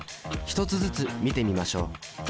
１つずつ見てみましょう。